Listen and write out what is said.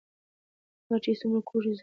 مار چی څومره کوږ ځي خپل کار ته سمیږي .